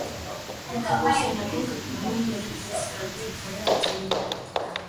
Գլխավոր սենյակում գտնվում են երեք մեծ տարբեր քարե արձաններ։